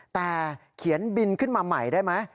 แต่เขียนบินขึ้นมาใหม่ได้ไหม